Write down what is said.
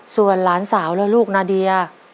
ส่วนหลานสาวและลูกนาเดีย